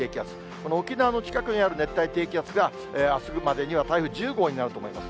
この沖縄の近くにあるねったいていきあつがあすまでには台風１０号になると思います。